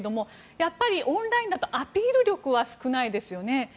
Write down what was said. やっぱりオンラインだとアピール力は少ないですよね。